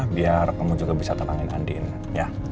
biar kamu juga bisa tetanggin andin ya